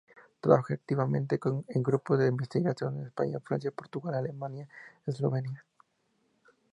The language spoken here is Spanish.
Trabaja activamente en grupos de investigación en España, Francia, Portugal, Alemania y Eslovenia.